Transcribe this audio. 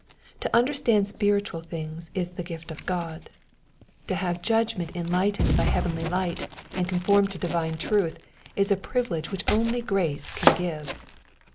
To understand spiritual things is the gift of God. To have a judgment enlightened by heavenly light and conformed to divine truth is a privilege which only grace can give.